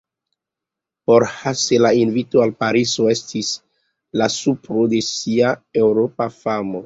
Por Hasse la invito al Parizo estis la supro de sia Eŭropa famo.